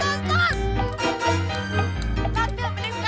mending sekarang kita pulang naik bis aja